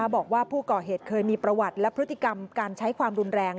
บอกว่าผู้ก่อเหตุเคยมีประวัติและพฤติกรรมการใช้ความรุนแรง